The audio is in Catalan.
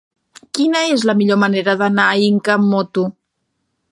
Quina és la millor manera d'anar a Inca amb moto?